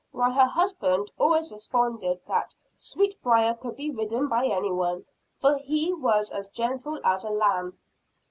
While her husband always responded that Sweetbriar could be ridden by any one, for he was as gentle as a lamb.